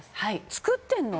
「造ってんの？」